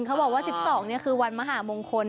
เขาบอกว่า๑๒นี่คือวันมหามงคล